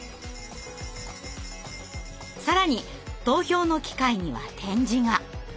更に投票の機械には点字が。